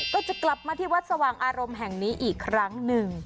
ก็จะกลับมาที่วัดสว่างอารมณ์แห่งนี้อีกครั้งหนึ่ง